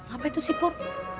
apa itu sih pur